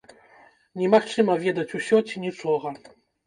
Немагчыма ведаць усё ці нічога.